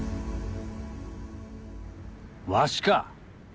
わしか。